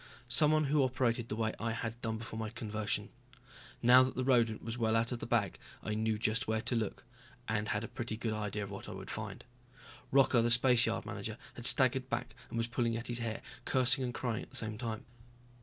Someone who operated the way I had done before my conversion. Now that the rodent was well out of the bag I knew just where to look, and had a pretty good idea of what I would find. Rocca, the spaceyard manager, had staggered back and was pulling at his hair, cursing and crying at the same time.